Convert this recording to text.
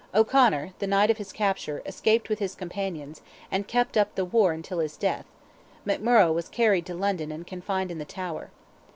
O'Conor, the night of his capture, escaped with his companions, and kept up the war until his death: McMurrogh was carried to London and confined in the Tower.